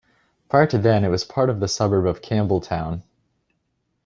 Prior to then it was part of the suburb of Campbelltown.